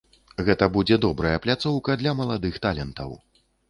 Гэта будзе добрая пляцоўка для маладых талентаў.